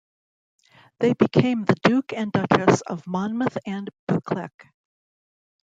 They became the Duke and Duchess of Monmouth and Buccleuch.